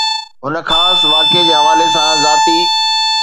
هڪ خاص واقعي جي حوالي سان ذاتي